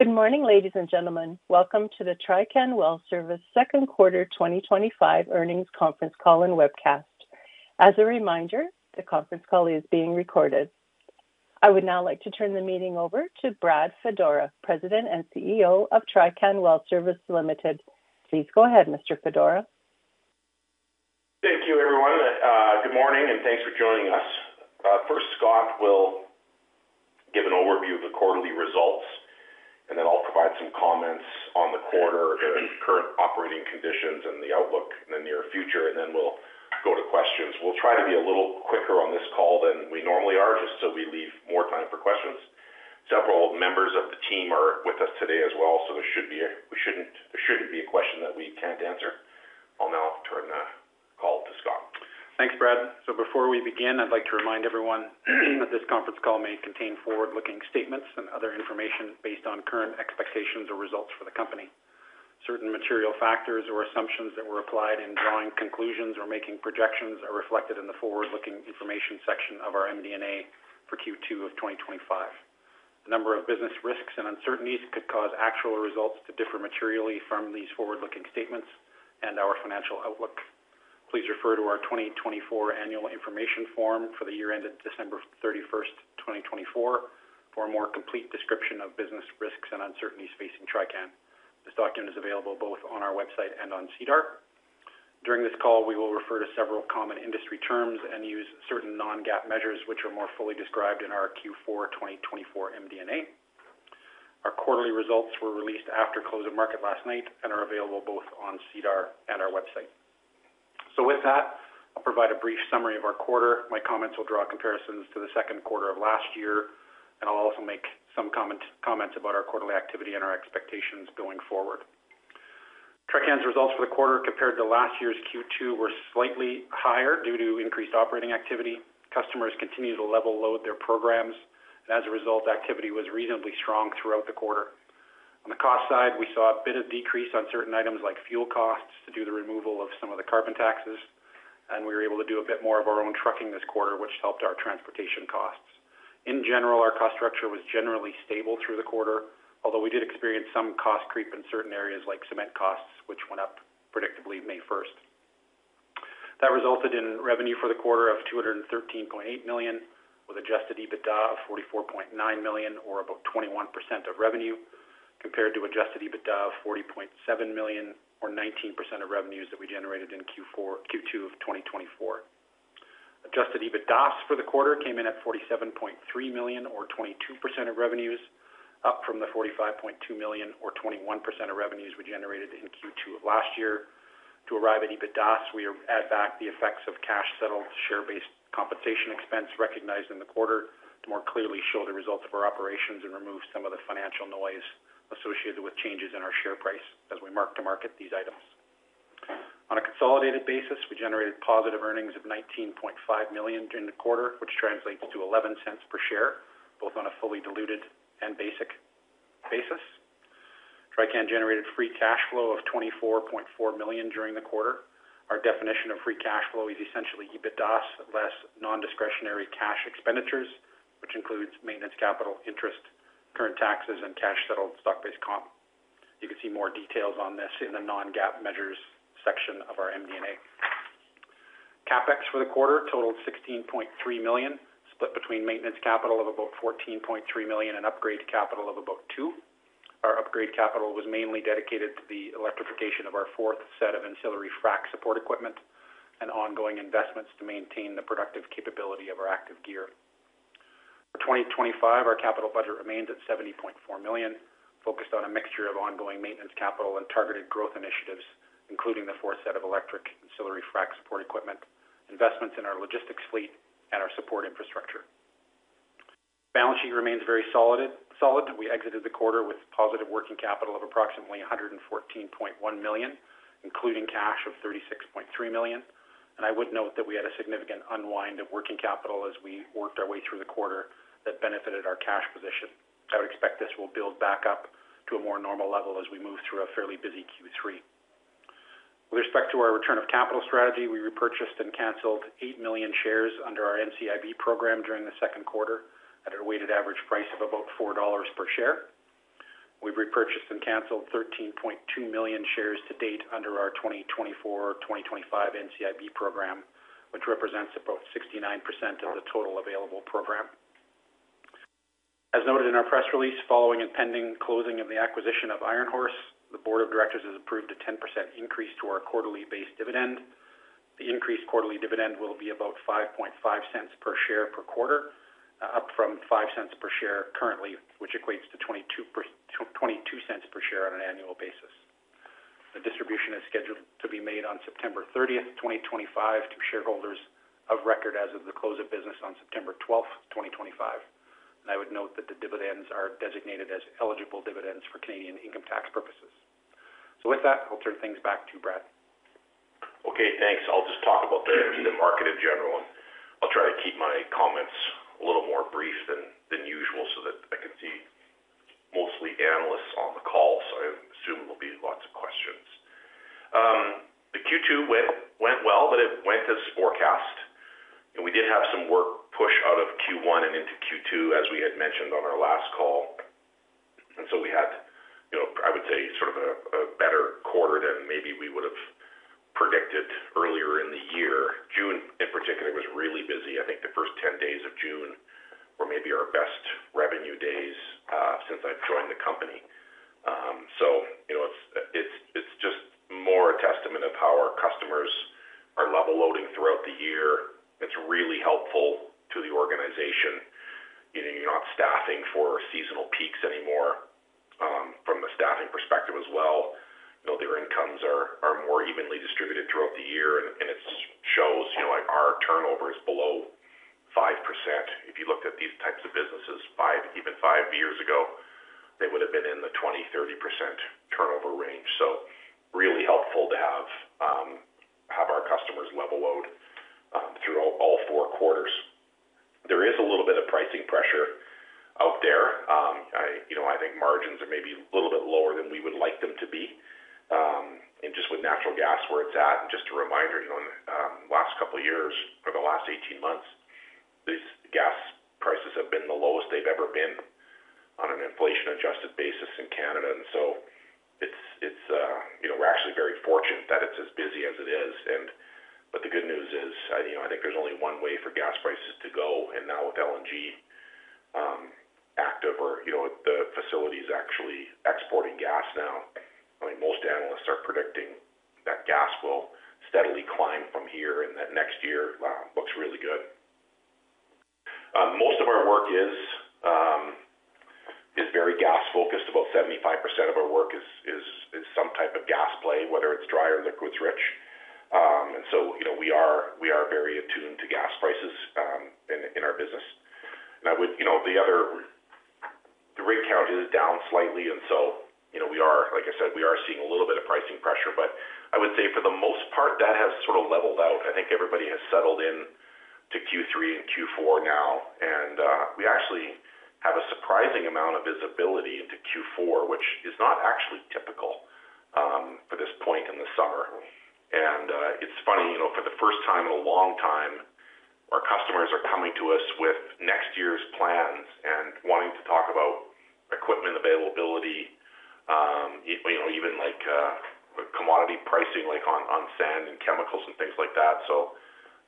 Good morning, ladies and gentlemen. Welcome to the Trican Well Service second quarter 2025 earnings conference call and webcast. As a reminder, the conference call is being recorded. I would now like to turn the meeting over to Brad Fedora, President and CEO of Trican Well Service Ltd. Please go ahead, Mr. Fedora. Thank you, everyone. Good morning and thanks for joining us. First, Scott will give an overview of the quarterly results, and then I'll provide some comments on the quarter, the current operating conditions, and the outlook in the near future. Then we'll go to questions. We'll try to be a little quicker on this call than we normally are, just so we leave more time for questions. Several members of the team are with us today as well, so there shouldn't be a question that we can't answer. I'll now turn the call to Scott. Thanks, Brad. Before we begin, I'd like to remind everyone that this conference call may contain forward-looking statements and other information based on current expectations or results for the company. Certain material factors or assumptions that were applied in drawing conclusions or making projections are reflected in the forward-looking information section of our MD&A for Q2 of 2025. A number of business risks and uncertainties could cause actual results to differ materially from these forward-looking statements and our financial outlook. Please refer to our 2024 annual information form for the year ended December 31, 2024, for a more complete description of business risks and uncertainties facing Trican Well Service Ltd. This document is available both on our website and on SEDAR. During this call, we will refer to several common industry terms and use certain non-GAAP measures, which are more fully described in our Q4 2024 MD&A. Our quarterly results were released after close of market last night and are available both on SEDAR and our website. With that, I'll provide a brief summary of our quarter. My comments will draw comparisons to the second quarter of last year, and I'll also make some comments about our quarterly activity and our expectations going forward. Trican's results for the quarter compared to last year's Q2 were slightly higher due to increased operating activity. Customers continued to level-load their programs, and as a result, activity was reasonably strong throughout the quarter. On the cost side, we saw a bit of decrease on certain items like fuel costs due to the removal of some of the carbon taxes, and we were able to do a bit more of our own trucking this quarter, which helped our transportation costs. In general, our cost structure was generally stable through the quarter, although we did experience some cost creep in certain areas like cement costs, which went up predictably May 1. That resulted in revenue for the quarter of $213.8 million, with adjusted EBITDA of $44.9 million, or about 21% of revenue, compared to adjusted EBITDA of $40.7 million, or 19% of revenues that we generated in Q2 of 2024. Adjusted EBITDA for the quarter came in at $47.3 million, or 22% of revenues, up from the $45.2 million, or 21% of revenues we generated in Q2 of last year. To arrive at EBITDA, we add back the effects of cash-settled share-based compensation expense recognized in the quarter to more clearly show the results of our operations and remove some of the financial noise associated with changes in our share price as we mark to market these items. On a consolidated basis, we generated positive earnings of $19.5 million during the quarter, which translates to $0.11 per share, both on a fully diluted and basic basis. Trican generated free cash flow of $24.4 million during the quarter. Our definition of free cash flow is essentially EBITDA, less non-discretionary cash expenditures, which includes maintenance capital, interest, current taxes, and cash-settled stock-based comp. You can see more details on this in the non-GAAP measures section of our MD&A. CapEx for the quarter totaled $16.3 million, split between maintenance capital of about $14.3 million and upgrade capital of about $2 million. Our upgrade capital was mainly dedicated to the electrification of our fourth set of ancillary frac support equipment and ongoing investments to maintain the productive capability of our active gear. For 2025, our capital budget remains at $70.4 million, focused on a mixture of ongoing maintenance capital and targeted growth initiatives, including the fourth set of electric ancillary frac support equipment, investments in our logistics fleet, and our support infrastructure. Balance sheet remains very solid. We exited the quarter with positive working capital of approximately $114.1 million, including cash of $36.3 million. I would note that we had a significant unwind of working capital as we worked our way through the quarter that benefited our cash position. I would expect this will build back up to a more normal level as we move through a fairly busy Q3. With respect to our return of capital strategy, we repurchased and canceled 8 million shares under our NCIB program during the second quarter at a weighted average price of about $4 per share. We've repurchased and canceled 13.2 million shares to date under our 2024-2025 NCIB program, which represents about 69% of the total available program. As noted in our press release, following a pending closing of the acquisition of Iron Horse, the Board of Directors has approved a 10% increase to our quarterly-based dividend. The increased quarterly dividend will be about $0.055 per share per quarter, up from $0.05 per share currently, which equates to $0.22 per share on an annual basis. The distribution is scheduled to be made on September 30, 2025, to shareholders of record as of the close of business on September 12, 2025. I would note that the dividends are designated as eligible dividends for Canadian income tax purposes. With that, I'll turn things back to Brad. Okay, thanks. I'll just talk about the market in general, and I'll try to keep my comments a little more brief than usual so that I could see mostly analysts on the call. I assume there'll be lots of questions. The Q2 went well, but it went as forecast. We did have some work push out of Q1 and into Q2, as we had mentioned on our last call. We had, you know, I would say, sort of a better quarter than maybe we would have predicted earlier in the year. June in particular was really busy. I think the first 10 days of June were maybe our best revenue days since I've joined the company. It's just more a testament of how our customers are level-loading throughout the year. It's really helpful to the organization. You're not staffing for seasonal peaks anymore. From the staffing perspective as well, their incomes are more evenly distributed throughout the year. It shows, our turnover is below 5%. If you looked at these types of businesses even five years ago, they would have been in the 20%, 30% turnover range. Really helpful to have our customers level-load through all four quarters. There is a little bit of pricing pressure out there. I think margins are maybe a little bit lower than we would like them to be, and just with natural gas where it's at, and just a reminder, in the last couple of years, or the last 18 months, these gas prices have been the lowest they've ever been on an inflation-adjusted basis in Canada. We're actually very fortunate that it's as busy as it is. The good news is, I think there's only one way for gas prices to go. Now with LNG Canada active, or the facilities actually exporting gas now, most analysts are predicting that gas will steadily climb from here and that next year, wow, looks really good. Most of our work is very gas-focused. About 75% of our work is some type of gas play, whether it's dry or liquids-rich. We are very attuned to gas prices in our business. The other, the rate count is down slightly. We are, like I said, seeing a little bit of pricing pressure, but I would say for the most part, that has sort of leveled out. I think everybody has settled into Q3 and Q4 now. We actually have a surprising amount of visibility into Q4, which is not typical for this point in the summer. It's funny, for the first time in a long time, our customers are coming to us with next year's plans and wanting to talk about equipment availability, even commodity pricing, like on sand and chemicals and things like that.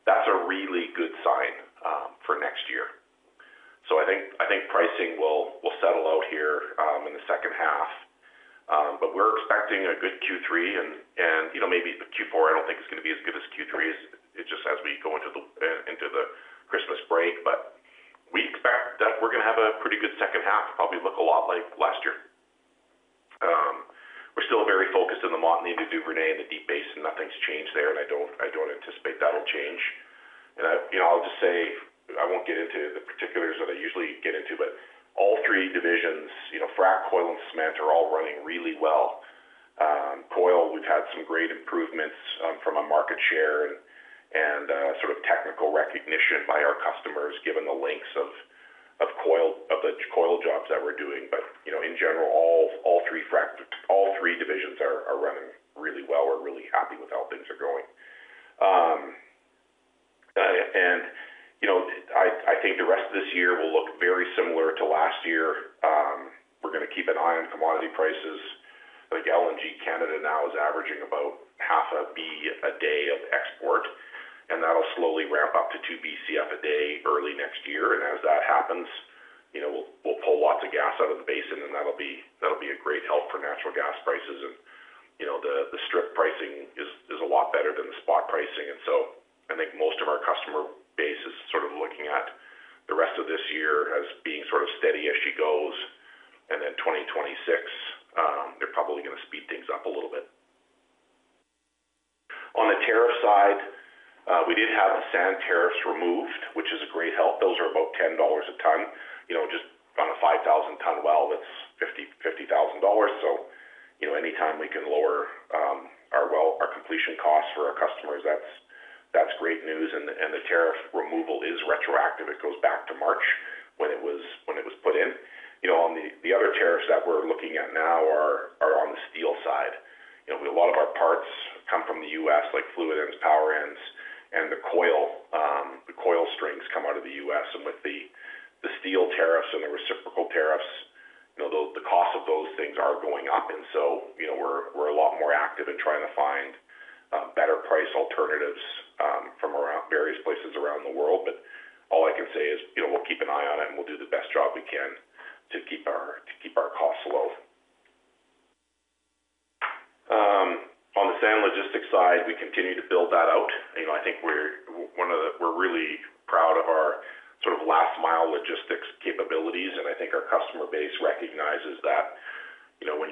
That's a really good sign for next year. I think pricing will settle out here in the second half. We're expecting a good Q3 and maybe a Q4. I don't think it's going to be as good as Q3 as we go into the Christmas break, but we expect that we're going to have a pretty good second half, probably look a lot like last year. We're still very focused in the Montney, Duvernay, and the Deep Basin. Nothing's changed there, and I don't anticipate that'll change. I won't get into the particulars that I usually get into, but all three divisions, frac, coil, and cement, are all running really well. Coil, we've had some great improvements from a market share and sort of technical recognition by our customers, given the lengths of the coil jobs that we're doing. In general, all three divisions are running really well. We're really happy with how things are going. I think the rest of this year will look very similar to last year. We're going to keep an eye on commodity prices. I think LNG Canada now is averaging about half a Bcf a day of export, and that'll slowly ramp up to 2 Bcf a day early next year. As that happens, we'll pull lots of gas out of the basin, and that'll be a great help for natural gas prices. The strip pricing is a lot better than the spot pricing, so I think most of our customer base is looking at the rest of this year as being steady as she goes. In 2026, they're probably going to speed things up a little bit. On the tariff side, we did have the sand tariffs removed, which is a great help. Those are about $10 a ton. Just on a 5,000-ton well, that's $50,000, so anytime we can lower our completion costs for our customers, that's great news. The tariff removal is retroactive. It goes back to March when it was put in. You know, the other tariffs that we're looking at now are on the steel side. A lot of our parts come from the U.S., like fluid ends, power ends, and the coil strings come out of the U.S. With the steel tariffs and the reciprocal tariffs, the cost of those things are going up. We're a lot more active in trying to find better price alternatives from various places around the world. All I can say is we'll keep an eye on it, and we'll do the best job we can to keep our costs low. On the sand logistics side, we continue to build that out. I think we're really proud of our sort of last-mile sand logistics capabilities. I think our customer base recognizes that when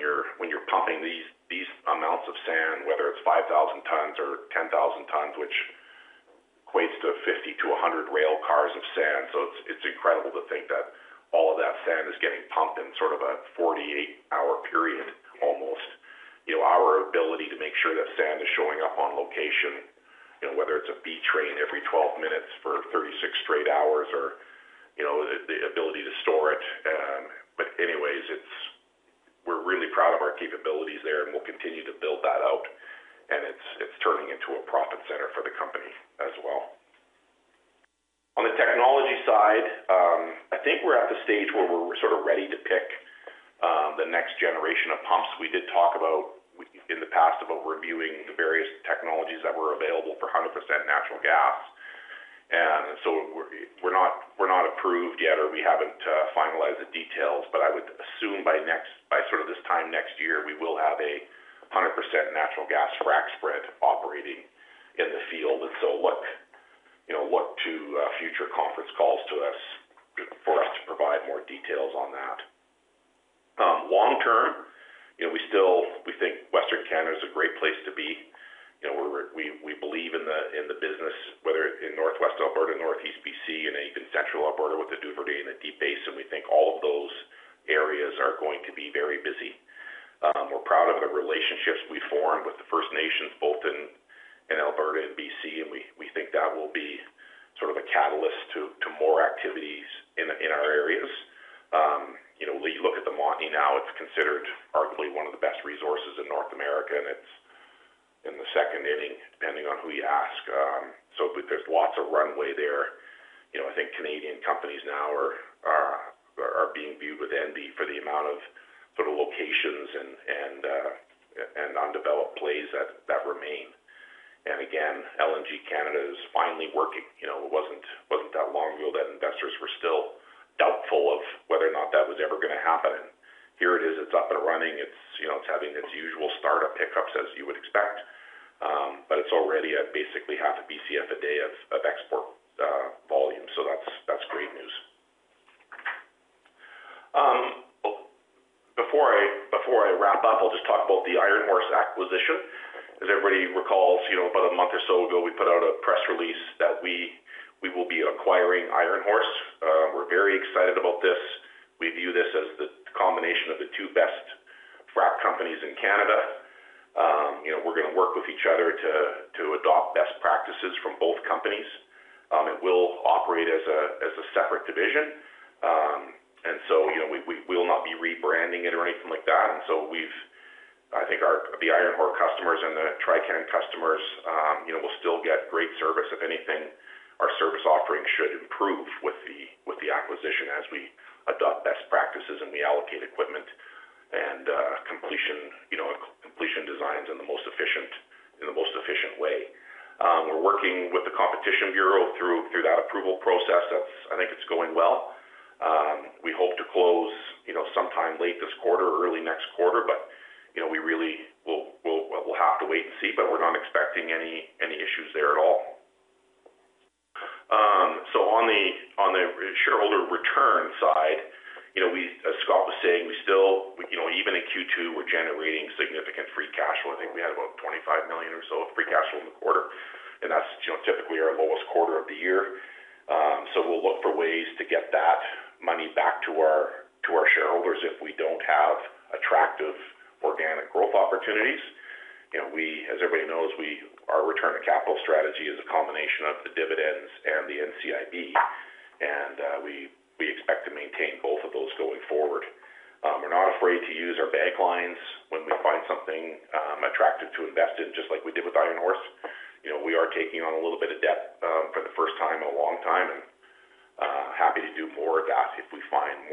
you're pumping these amounts of sand, whether it's 5,000 tons or 10,000 tons, which equates to 50 to 100 rail cars of sand, it's incredible to think that all of that sand is getting pumped in sort of a 48-hour period, almost. Our ability to make sure that sand is showing up on location, whether it's a batch train every 12 minutes for 36 straight hours, or the ability to store it. We're really proud of our capabilities there, and we'll continue to build that out. It's turning into a profit center for the company as well. On the technology side, I think we're at the stage where we're sort of ready to pick the next generation of pumps. We did talk in the past about reviewing the various technologies that were available for 100% natural gas. We're not approved yet, or we haven't finalized the details, but I would assume by sort of this time next year, we will have a 100% natural gas frac spread operating in the field. Look to future conference calls for us to provide more details on that. Long term, we think Western Canada is a great place to be. We believe in the business, whether in Northwest Alberta, Northeast BC, and then even Central Alberta with the Duvernay and the Deep Basin. We think all of those areas are going to be very busy. We're proud of the relationships we've formed with the First Nations, both in Alberta and BC, and we think that will be sort of a catalyst to more activities in our areas. You know, when you look at the Montney now, it's considered arguably one of the best resources in North America, and it's in the second inning, depending on who you ask. There's lots of runway there. I think Canadian companies now are being viewed with envy for the amount of locations and undeveloped plays that remain. LNG Canada is finally working. It wasn't as Scott was saying, even in Q2, we're generating significant free cash flow. I think we had about $25 million or so of free cash flow in the quarter, and that's typically our lowest quarter of the year. We'll look for ways to get that money back to our shareholders if we don't have attractive organic growth opportunities. As everybody knows, our return of capital strategy is a combination of the dividend and the NCIB program. We expect to maintain both of those going forward. We're not afraid to use our bank lines when we find something attractive to invest in, just like we did with Iron Horse. We are taking on a little bit of debt for the first time in a long time, and happy to do more of that if we find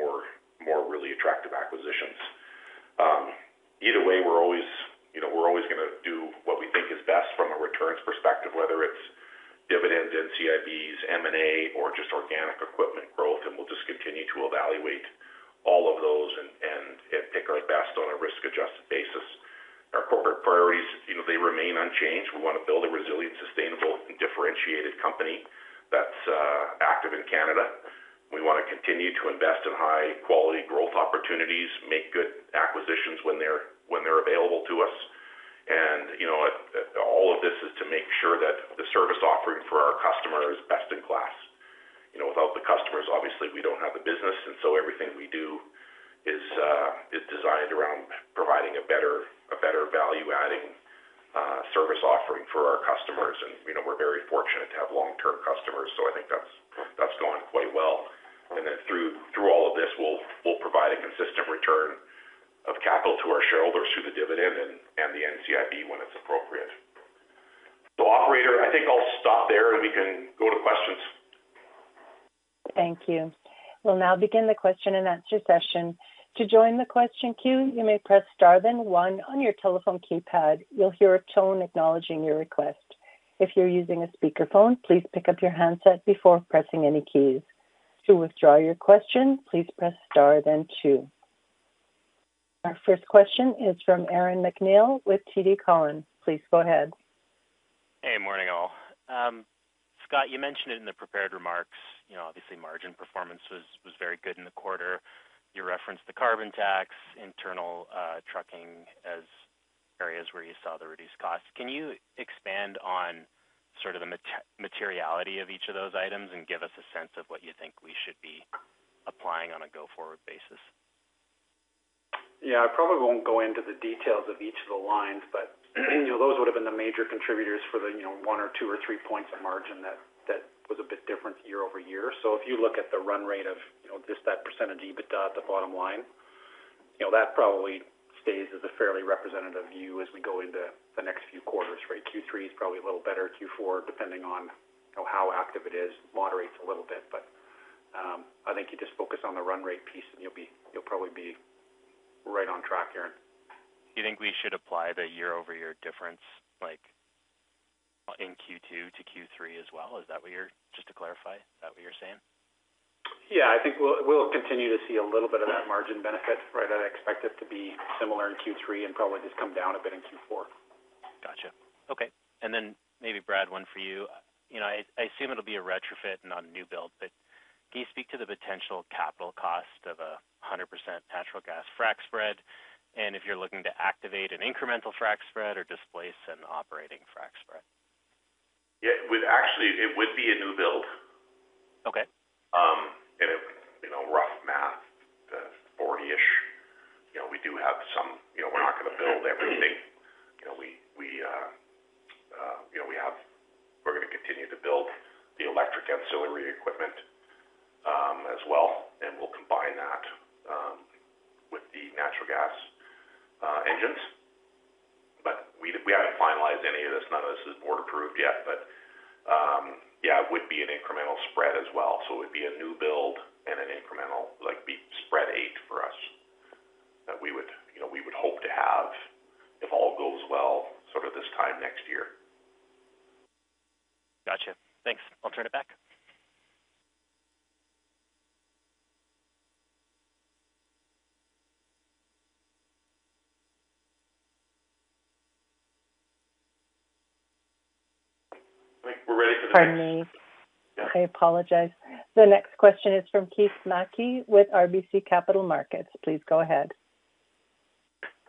Scott, you mentioned it in the prepared remarks. Obviously, margin performance was very good in the quarter. You referenced the carbon tax, internal trucking as areas where you saw the reduced costs. Can you expand on sort of the materiality of each of those items and give us a sense of what you think we should be applying on a go-forward basis? Yeah, I probably won't go into the details of each of the lines, but those would have been the major contributors for the one or two or three points of margin that was a bit different year over year. If you look at the run rate of just that % EBITDA at the bottom line, that probably stays as a fairly representative view as we go into the next few quarters, right? Q3 is probably a little better, Q4, depending on how active it is, moderates a little bit. I think you just focus on the run rate piece, and you'll probably be right on track, Aaron. Do you think we should apply the year-over-year difference, like in Q2 to Q3 as well? Is that what you're, just to clarify, is that what you're saying? I think we'll continue to see a little bit of that margin benefit, right? I expect it to be similar in Q3 and probably just come down a bit in Q4. Gotcha. Okay. Maybe Brad, one for you. I assume it'll be a retrofit and not a new build, but can you speak to the potential capital cost of a 100% natural gas frac spread? If you're looking to activate an incremental frac spread or displace an operating frac spread? It would actually be a new build. If you know, rough math, the 40-ish, we do have some, we're not going to build everything. We have, we're going to continue to build the electric ancillary frac support equipment as well. We'll combine that with the natural gas engines. We haven't finalized any of this. None of this is board approved yet, but yeah, it would be an incremental spread as well. It would be a new build and an incremental, like, be spread eight for us that we would hope to have, if all goes well, sort of this time next year. Gotcha. Thanks. I'll turn it back. I think we're ready for the next question. Pardon me.I apologize. The next question is from Keith Mackey with RBC Capital Markets. Please go ahead.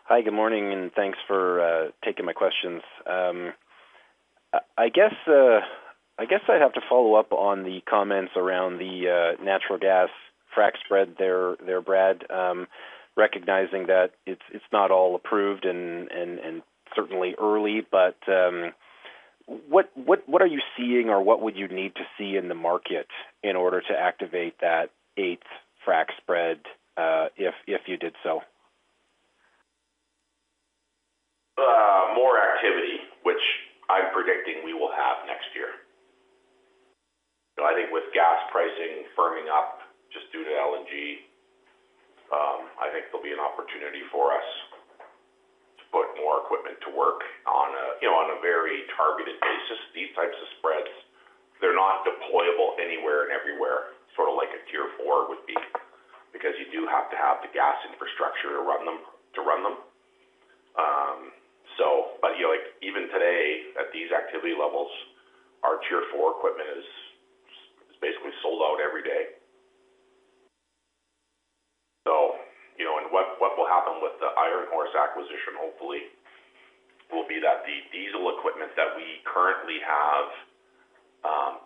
Hi, good morning, and thanks for taking my questions. I guess I'd have to follow up on the comments around the natural gas frac spread there, Brad, recognizing that it's not all approved and certainly early, but what are you seeing or what would you need to see in the market in order to activate that eighth frac spread, if you did so? More activity, which I'm predicting we will have next year. I think with gas pricing firming up just due to LNG Canada, I think there'll be an opportunity for us to put more equipment to work on a very targeted basis. These types of spreads, they're not deployable anywhere and everywhere, sort of like a Tier 4 would be, because you do have to have the gas infrastructure to run them. Even today at these activity levels, our Tier 4 equipment is, you know, and what will happen with the Iron Horse acquisition, hopefully, will be that the diesel equipment that we currently have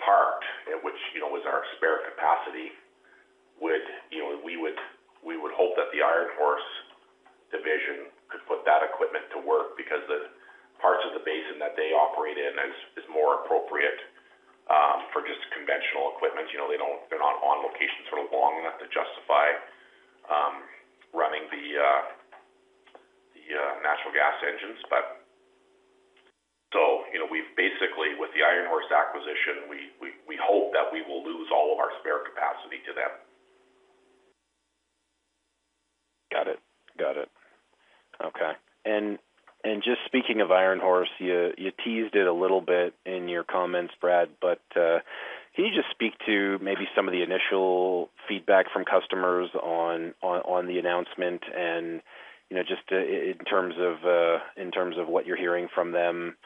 parked, which was our spare capacity, we would hope that the Iron Horse division could put that equipment to work because the parts of the basin that they operate in are more appropriate for just conventional equipment. They don't, they're not on location long enough to justify running the natural gas engines. We've basically, with the Iron Horse acquisition, we hope that we will lose all of our spare capacity to them. Got it. Okay. Just speaking of Iron Horse, you teased it a little bit in your comments, Brad, but can you just speak to maybe some of the initial feedback from customers on the announcement and, you know, just in terms of what you're hearing from them,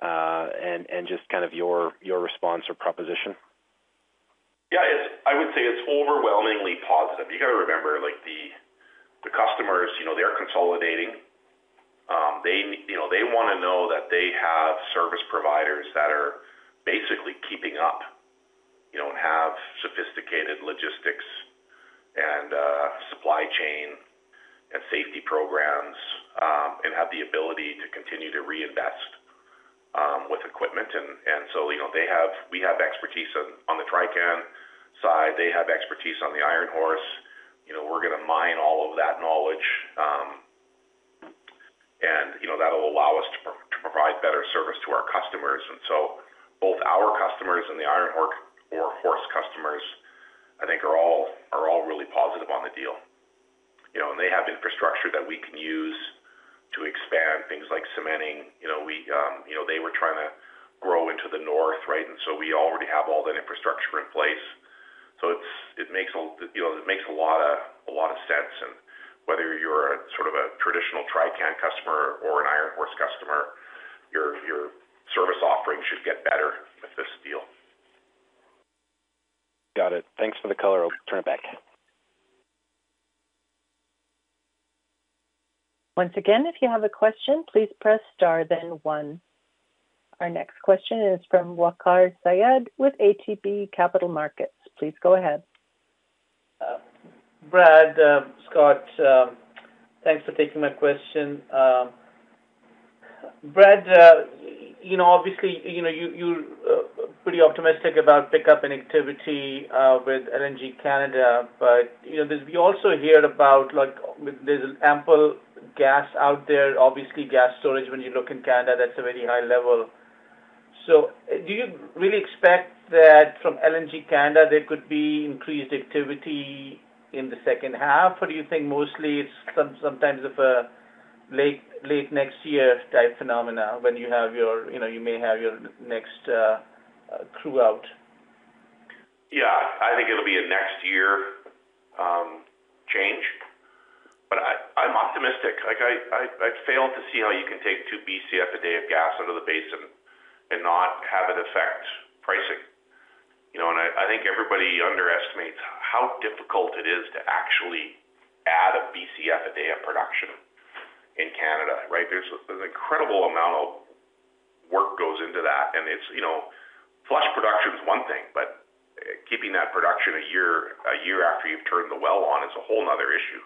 and just kind of your response or proposition? I would say it's overwhelmingly positive. You got to remember, the customers, you know, they're consolidating. They want to know that they have service providers that are basically keeping up, you know, and have sophisticated logistics, supply chain, and safety programs, and have the ability to continue to reinvest with equipment. You know, we have expertise on the Trican side. They have expertise on Iron Horse. We're going to mine all of that knowledge, and that'll allow us to provide better service to our customers. Both our customers and the Iron Horse customers, I think, are all really positive on the deal. They have infrastructure that we can use to expand things like cementing. They were trying to grow into the north, right? We already have all that infrastructure in place. It makes a lot of sense. Whether you're a sort of traditional Trican customer or an Iron Horse customer, your service offering should get better with this deal. Got it. Thanks for the color. I'll turn it back. Once again, if you have a question, please press * then 1. Our next question is from Waqar Syed with ATB Capital Markets. Please go ahead. Brad, Scott, thanks for taking my question. Brad, you know, obviously, you're pretty optimistic about pickup in activity with LNG Canada, but we also hear about, like, there's ample gas out there, obviously, gas storage when you look in Canada. That's a very high level. Do you really expect that from LNG Canada, there could be increased activity in the second half, or do you think mostly it's sometimes of a late, late next year type phenomena when you have your, you know, you may have your next crew out? I think it'll be a next year change, but I'm optimistic. I've failed to see how you can take 2 Bcf a day of gas out of the basin and not have it affect pricing. I think everybody underestimates how difficult it is to actually add a Bcf a day of production in Canada, right? There's an incredible amount of work that goes into that. Flush production is one thing, but keeping that production a year after you've turned the well on is a whole other issue.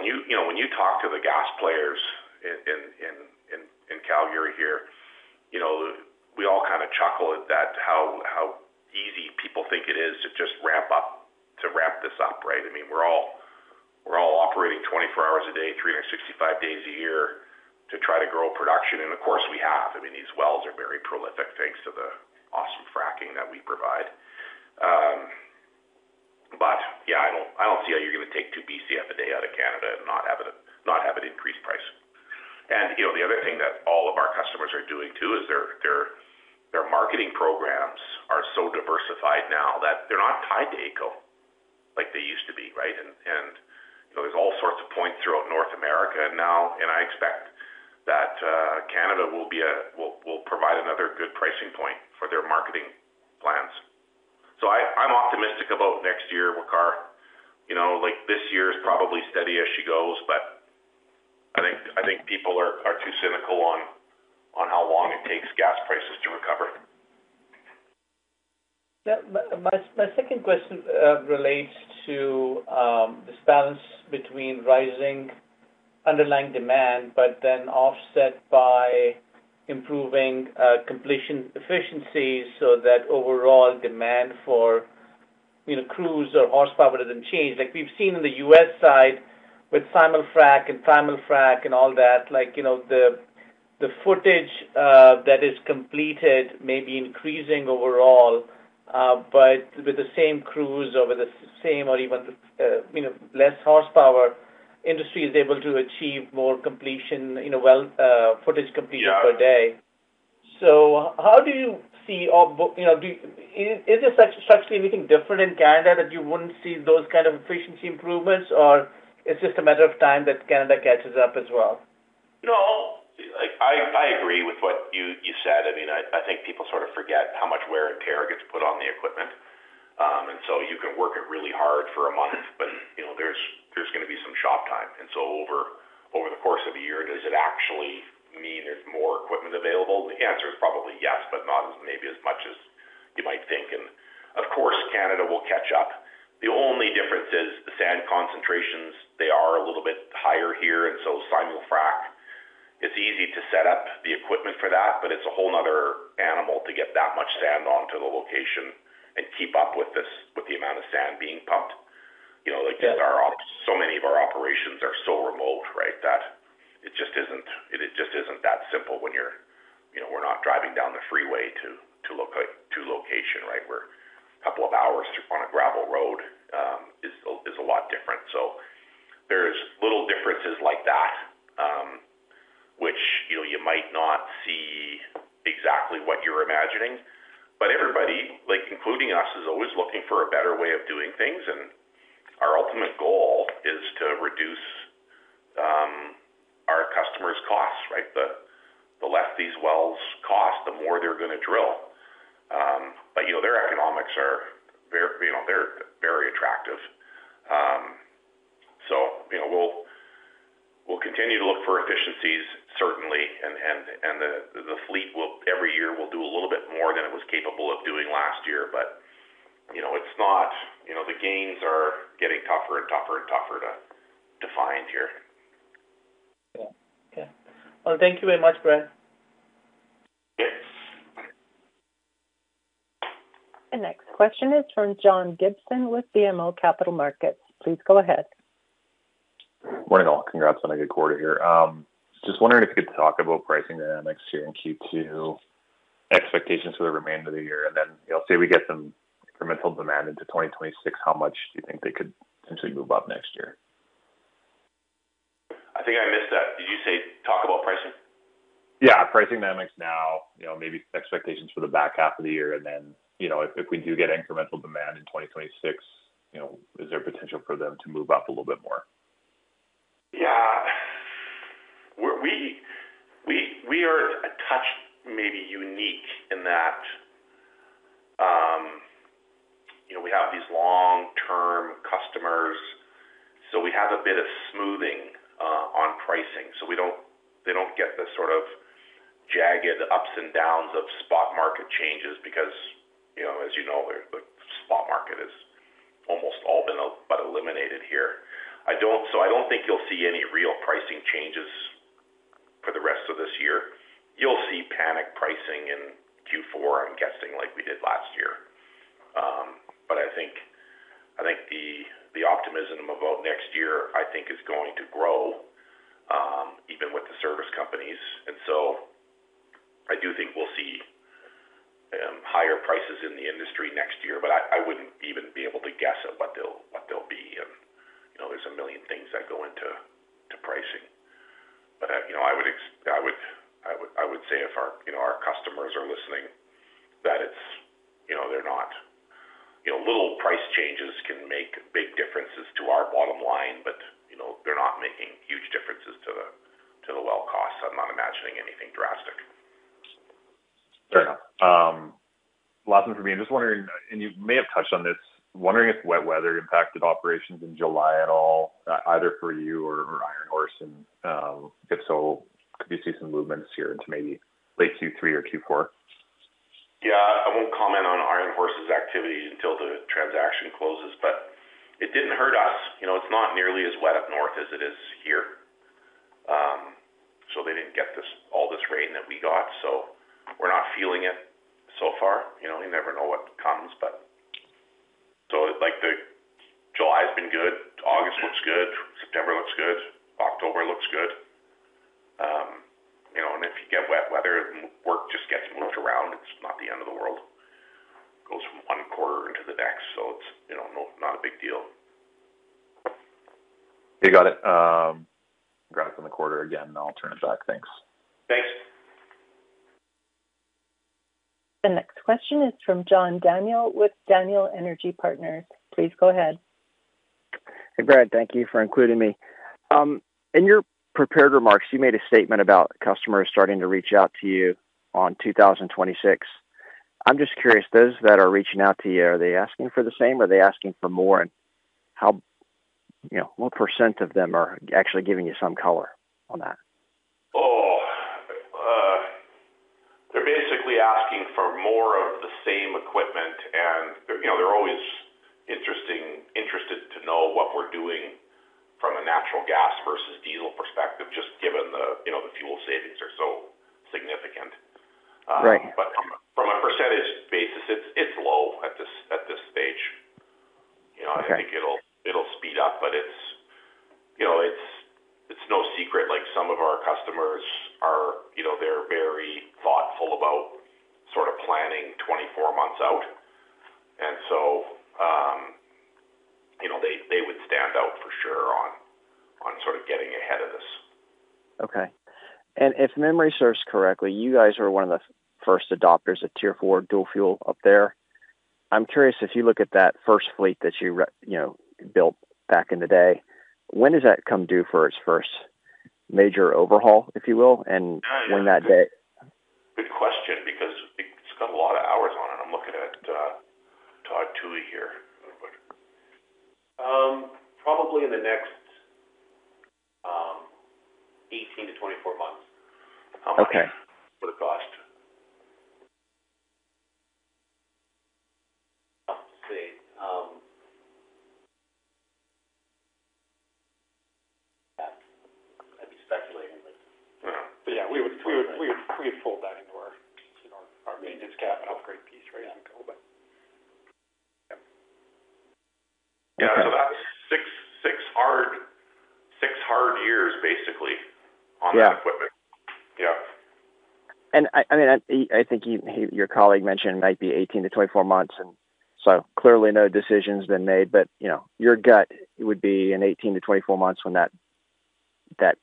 When you talk to the gas players in Calgary here, we all kind of chuckle at how easy people think it is to just ramp this up, right? I mean, we're all operating 24 hours a day, 365 days a year to try to grow production. Of course, we have these wells that are very prolific thanks to the awesome hydraulic fracturing that we provide. I don't see how you're going to take 2 Bcf a day out of Canada and not have it increase price. The other thing that all of our customers are doing too is their marketing programs are so diversified now that they're not tied to AECO like they used to be, right? There are all sorts of points throughout North America. I expect that Canada will provide another good pricing point for their marketing plans. I'm optimistic about next year, Waqar. This year is probably steady as she goes, but I think people are too cynical on how long it takes gas prices to recover. Now, my second question relates to this balance between rising underlying demand, but then offset by improving completion efficiencies so that overall demand for, you know, crews or horsepower doesn't change. Like we've seen in the U.S. side with simul frac and thermal frac and all that, the footage that is completed may be increasing overall, but with the same crews or with the same or even less horsepower, industry is able to achieve more completion, you know, well footage completion per day. Do you see anything different in Canada that you wouldn't see those kind of efficiency improvements, or it's just a matter of time that Canada catches up as well? I agree with what you said. I mean, I think people sort of forget how much wear and tear gets put on the equipment. You can work it really hard for a month, but you know, there's going to be some shop time. Over the course of a year, does it actually mean there's more equipment available? The answer is probably yes, but not as much as you might think. Of course, Canada will catch up. The only difference is the sand concentrations, they are a little bit higher here. Simul frac, it's easy to set up the equipment for that, but it's a whole other animal to get that much sand onto the location and keep up with the amount of sand being pumped. So many of our operations are so remote, right, that it just isn't that simple when you're, you know, we're not driving down the freeway to location, right? We're a couple of hours on a gravel road. It's a lot different. There are little differences like that, which you might not see exactly what you're imagining. Everybody, including us, is always looking for a better way of doing things. Our ultimate goal is to reduce our customers' costs, right? The less these wells cost, the more they're going to drill. Their economics are very attractive. We will continue to look for efficiencies, certainly, and the fleet will, every year, do a little bit more than it was capable of doing last year. It's not, you know, the gains are getting tougher and tougher to find here. Thank you very much, Brad. Our next question is from John Gibson with BMO Capital Markets. Please go ahead. Morning all. Congrats on a good quarter here. Just wondering if you could talk about pricing dynamics here in Q2, expectations for the remainder of the year, and then if we get some incremental demand into 2026, how much do you think they could potentially move up next year? I think I missed that. Did you say talk about pricing? Yeah, pricing dynamics now, you know, maybe expectations for the back half of the year. You know, if we do get incremental demand in 2026, you know, is there a potential for them to move up a little bit more? We are a touch maybe unique in that, you know, we have these long-term customers. We have a bit of smoothing on pricing, so they don't get the sort of jagged ups and downs of spot market changes because, you know, as you know, the spot market has almost all been eliminated here. I don't think you'll see any real pricing changes for the rest of this year. You'll see panic pricing in Q4, I'm guessing, like we did last year. I think the optimism about next year, I think, is going to grow, even with the service companies. I do think we'll see higher prices in the industry next year, but I wouldn't even be able to guess what they'll be. You know, there's a million things that go into pricing. I would say if our customers are listening, that it's, you know, they're not, you know, little price changes can make big differences to our bottom line, but they're not making huge differences to the well cost. I'm not imagining anything drastic. Fair enough. Last one for me. I'm just wondering, and you may have touched on this, if wet weather impacted operations in July at all, either for you or Iron Horse. If so, do you see some movements here into maybe late Q3 or Q4? I won't comment on Iron Horse's activity until the transaction closes, but it didn't hurt us. You know, it's not nearly as wet up north as it is here, so they didn't get all this rain that we got. We're not feeling it so far. You never know what comes, but July's been good. August looks good. September looks good. October looks good. If you get wet weather and work just gets motioned around, it's not the end of the world. It goes from one quarter into the next. It's no, not a big deal. You got it. Congrats on the quarter. Again, I'll turn it back. Thanks. Thanks. The next question is from John Daniel with Daniel Energy Partners. Please go ahead. Brad. Thank you for including me. In your prepared remarks, you made a statement about customers starting to reach out to you on 2026. I'm just curious, those that are reaching out to you, are they asking for the same? Are they asking for more? What percent of them are actually giving you some color on that? They're basically asking for more of the same equipment. They're always interested to know what we're doing from a natural gas versus diesel perspective, just given the fuel savings are so significant, right. From a % basis, it's low at this stage. I think it'll speed up, but it's no secret, like some of our customers are very thoughtful about planning 24 months out. They would stand out for sure on getting ahead of this. Okay. If memory serves correctly, you guys were one of the first adopters of tier four dual fuel up there. I'm curious if you look at that first fleet that you built back in the day, when does that come due for its first major overhaul, if you will? When that day? Good question because it's got a lot of hours on it. I'm looking at Todd Thue here. Probably in the next 18 to 24 months, for the cost. I mean, especially. We would fold that into our main discount and upgrade piece, right? That's six hard years, basically, on the equipment. I think your colleague mentioned it might be 18 to 24 months. Clearly, no decision's been made, but your gut would be in 18 to 24 months when that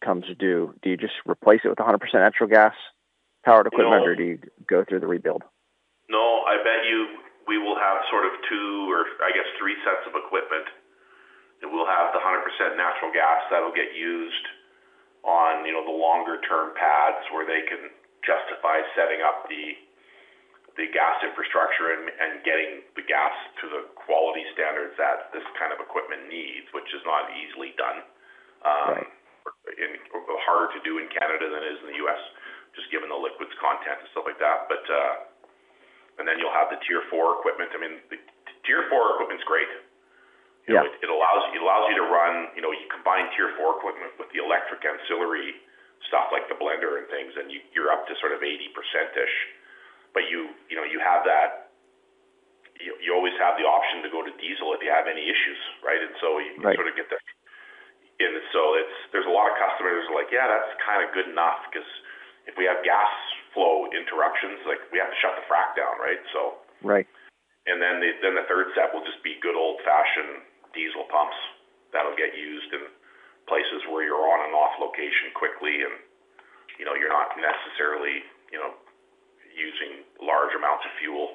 comes due. Do you just replace it with 100% natural gas-powered equipment, or do you go through the rebuild? I bet you we will have sort of two or, I guess, three sets of equipment. We'll have the 100% natural gas that'll get used on the longer-term paths where they can justify setting up the gas infrastructure and getting the gas to the quality standards that this kind of equipment needs, which is not easily done. It's harder to do in Canada than it is in the U.S., just given the liquids content and stuff like that. Then you'll have the Tier 4 equipment. I mean, the Tier 4 equipment's great. It allows you to run, you know, you combine Tier 4 equipment with the electric ancillary stuff like the blender and things, and you're up to sort of 80%-ish. You always have the option to go to diesel if you have any issues, right? You sort of get there. There are a lot of customers who are like, "Yeah, that's kind of good enough because if we have gas flow interruptions, like we have to shut the frac down, right?" The third set will just be good old-fashioned diesel pumps that'll get used in places where you're on and off location quickly, and you're not necessarily using large amounts of fuel.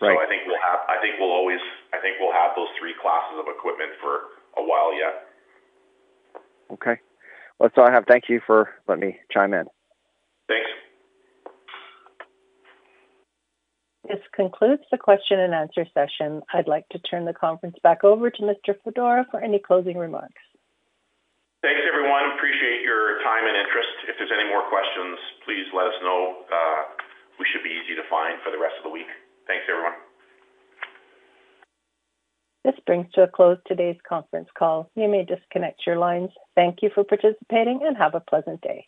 I think we'll always have those three classes of equipment for a while yet. Okay. That's all I have. Thank you for letting me chime in. Thanks. This concludes the question and answer session. I'd like to turn the conference back over to Mr. Fedora for any closing remarks. Thanks, everyone. Appreciate your time and interest. If there's any more questions, please let us know. We should be easy to find for the rest of the week. Thanks, everyone. This brings to a close today's conference call. You may disconnect your lines. Thank you for participating and have a pleasant day.